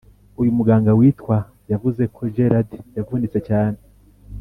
Uyu muganga witwa yavuze ko Gerrard yavunitse cyane